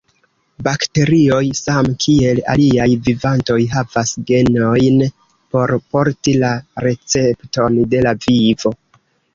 Bakterioj, same kiel aliaj vivantoj, havas genojn por porti la recepton de la vivo.